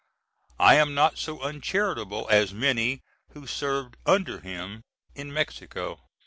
I am not so uncharitable as many who served under him in Mexico.